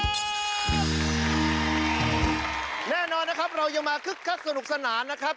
แน่นอนนะครับเรายังมาคึกคักสนุกสนานนะครับ